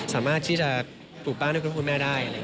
สามารถที่จะปลูกบ้านด้วยคุณพ่อคุณแม่ได้